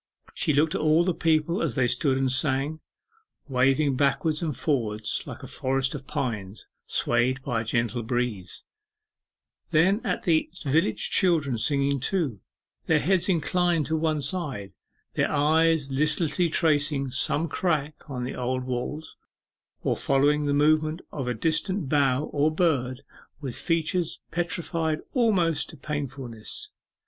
She looked at all the people as they stood and sang, waving backwards and forwards like a forest of pines swayed by a gentle breeze; then at the village children singing too, their heads inclined to one side, their eyes listlessly tracing some crack in the old walls, or following the movement of a distant bough or bird with features petrified almost to painfulness.